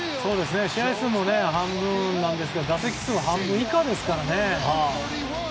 試合数も半分なんですが打席数は半分以下ですからね。